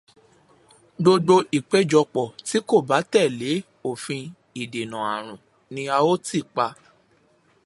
Gbogbo ìpéjọpọ̀ tí kò bá tẹ̀lé òfin ìdènà àrùn ni a ó tìpa.